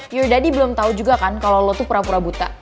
your daddy belum tau juga kan kalo lo tuh pura pura buta